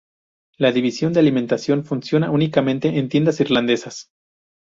La división de alimentación funciona únicamente en tiendas Irlandesas.